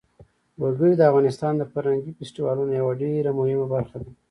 وګړي د افغانستان د فرهنګي فستیوالونو یوه ډېره مهمه برخه ده.